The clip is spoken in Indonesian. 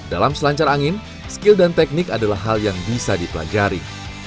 dalam selancar angin skill dan teknik adalah hal yang bisa dipelajari